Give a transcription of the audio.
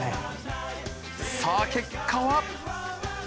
さあ、結果は。